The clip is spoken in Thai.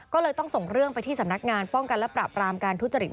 ก็เลยต้องส่งเรื่องไปที่สำนักงานป้องกันและปราบรามการทุจริต